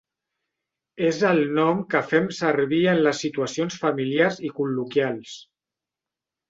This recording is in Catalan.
És el nom que fem servir en les situacions familiars i col·loquials.